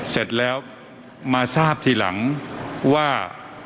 เสร็จแล้วมาทราบทีหลังว่า